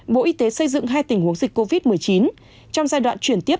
bộ y tế xây dựng hai tình huống dịch covid một mươi chín trong giai đoạn chuyển tiếp